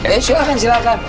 eh silahkan silahkan